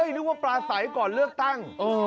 นึกว่าปลาใสก่อนเลือกตั้ง